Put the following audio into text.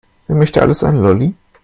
Wer möchte alles einen Lolli?